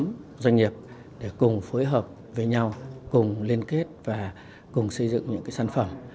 các doanh nghiệp để cùng phối hợp với nhau cùng liên kết và cùng xây dựng những sản phẩm